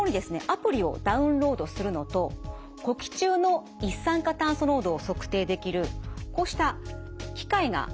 アプリをダウンロードするのと呼気中の一酸化炭素濃度を測定できるこうした機械が渡されます。